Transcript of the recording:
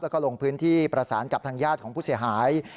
แล้วก็ลงพื้นที่ประสานกับทางญาติของผู้เสียหาย